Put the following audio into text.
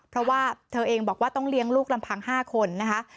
เพราะว่าเธอเองบอกว่าต้องเลี้ยงลูกลำพัง๕คนนะคะ